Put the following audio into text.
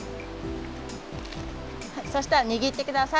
そしたらにぎってください。